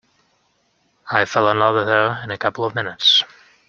I fell in love with her in a couple of minutes.